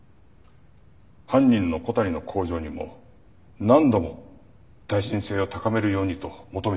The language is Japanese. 犯人の小谷の工場にも何度も耐震性を高めるようにと求めていたそうです。